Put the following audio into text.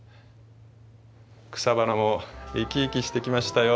草花も生き生きしてきましたよ。